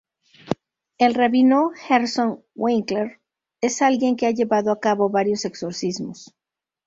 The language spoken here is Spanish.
El rabino Gershon Winkler es alguien que ha llevado a cabo varios exorcismos.